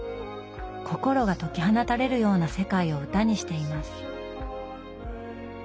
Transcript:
心が解き放たれるような世界を歌にしています。